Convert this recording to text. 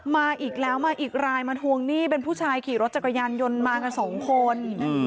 มาอีกแล้วมาอีกรายมาทวงหนี้เป็นผู้ชายขี่รถจักรยานยนต์มากันสองคน